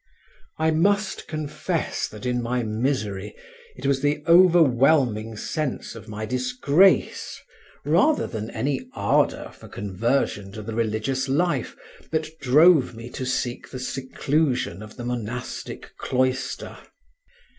I must confess that in my misery it was the overwhelming sense of my disgrace rather than any ardour for conversion to the religious life that drove me to seek the seclusion of the monastic cloister.